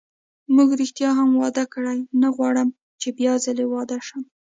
موږ ریښتیا هم واده کړی، نه غواړم چې بیا ځلي واده شم.